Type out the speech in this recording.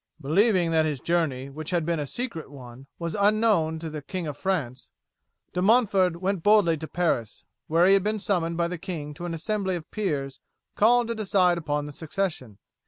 "Believing that his journey, which had been a secret one, was unknown to the King of France, De Montford went boldly to Paris, where he had been summoned by the king to an assembly of peers called to decide upon the succession.